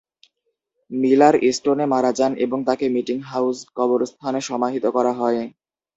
Miller ইস্টনে মারা যান এবং তাকে মিটিং হাউস কবরস্থানে সমাহিত করা হয়।